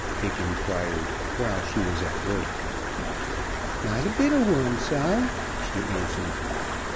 Dick inquired, while she was at work. "Not a bit ob one, sah," she answered.